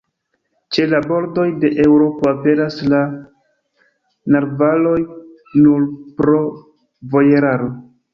Ĉe la bordoj de Eŭropo aperas la narvaloj nur pro vojeraro.